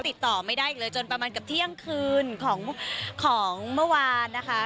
ติดต่อไม่ได้อีกเลยจนประมาณกับเที่ยงคืนของของเมื่อวานนะคะ